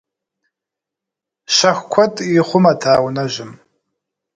Щэху куэд ихъумэт а унэжьым.